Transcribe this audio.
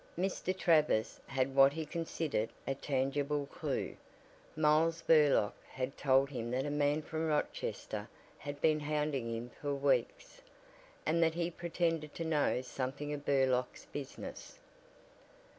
Mr. Travers had what he considered a tangible clew. Miles Burlock had told him that a man from Rochester had been hounding him for weeks, and that he pretended to know something of Burlock's business.